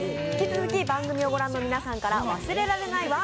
引き続き番組を御覧の皆さんから忘れられない